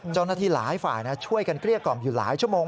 เจ้าหน้าที่หลายฝ่ายช่วยกันเกลี้ยกล่อมอยู่หลายชั่วโมง